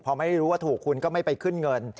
พอไม่รู้ว่าถูกคุณก็ไม่ไปขึ้นเงิน